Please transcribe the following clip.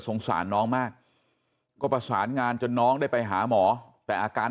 สงสารน้องมากก็ประสานงานจนน้องได้ไปหาหมอแต่อาการ